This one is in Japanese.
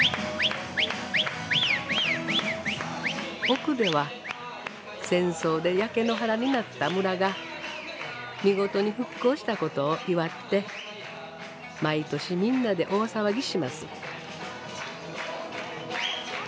奥では戦争で焼け野原になった村が見事に復興したことを祝って毎年みんなで大騒ぎします。